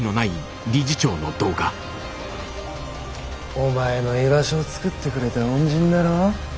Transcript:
お前の居場所を作ってくれた恩人だろ。